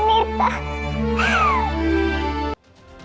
saya harap itu tidak terulang lagi